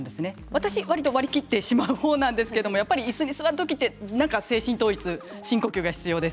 私は割り切ってしまう方ですがいすに座る時は精神統一、深呼吸が必要です。